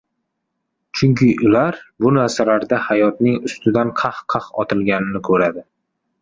Chunki ular bu narsalarda hayotning ustidan qah-qah otilganini ko‘radi